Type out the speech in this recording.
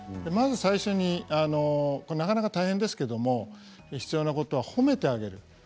まず最初になかなか大変ですけれど必要なことは褒めてあげる。